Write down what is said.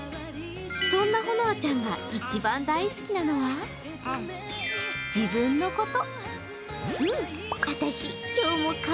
そんな、ほのあちゃんが一番大好きなのは自分のこと。